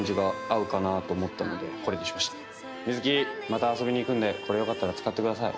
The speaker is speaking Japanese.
また遊びに行くんでこれよかったら使ってください。